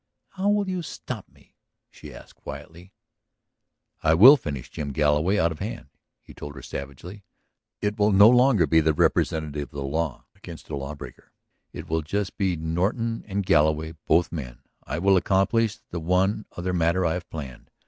"How will you stop me?" she asked quietly. "I will finish Jim Galloway out of hand," he told her savagely. "It will no longer be the representative of the law against the lawbreaker; it will just be Norton and Galloway, both men! I will accomplish the one other matter I have planned.